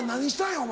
お前。